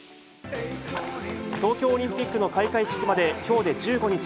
東京オリンピックの開会式まできょうで１５日。